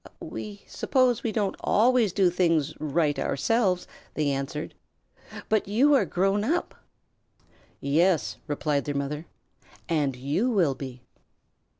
"We suppose we don't always do things right ourselves," they answered, "but you are grown up." "Yes," replied their mother. "And you will be."